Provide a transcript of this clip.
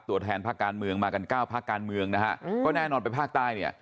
ตัวแทนภาคการเมืองมากันเก้าพักการเมืองนะฮะก็แน่นอนไปภาคใต้เนี่ย